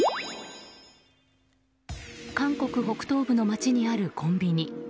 韓国北東部の街にあるコンビニ。